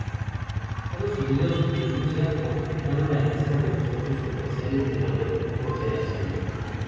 Estados Unidos y Rusia completaron la lista de los socios comerciales de mayor ponderación.